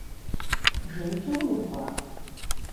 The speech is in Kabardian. Жейкӏэ урикъурэ?